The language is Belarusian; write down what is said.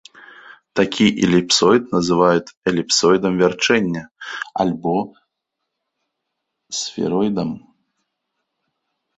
Такі эліпсоід называюць эліпсоідам вярчэння, альбо сфероідам.